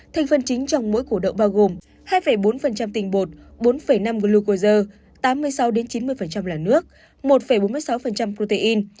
thành phần chính trong mỗi củ đậu bao gồm hai bốn tình bột bốn năm glucosa tám mươi sáu chín mươi là nước một bốn mươi sáu protein